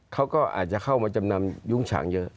เขาก็อาจจะเข้ามาจำนำยุ้งฉางเยอะ